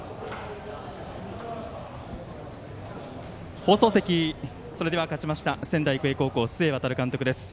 放送席、それでは勝ちました仙台育英高校須江航監督です。